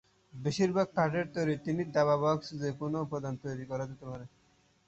বেশিরভাগ কাঠের তৈরি, একটি দাবা বাক্স যে কোনও উপাদানে তৈরি করা যেতে পারে।